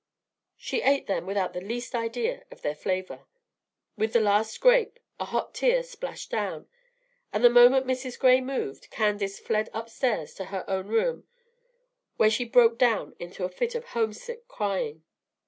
She ate them without the least idea of their flavor. With the last grape a hot tear splashed down; and the moment Mrs. Gray moved, Candace fled upstairs to her own room, where she broke down into a fit of homesick crying.